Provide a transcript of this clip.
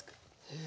へえ。